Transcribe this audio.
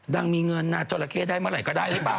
ยังมีเงินนะจราเข้ได้เมื่อไหร่ก็ได้หรือเปล่า